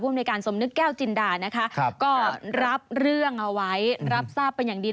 ในการสมนึกแก้วจินดานะคะก็รับเรื่องเอาไว้รับทราบเป็นอย่างดี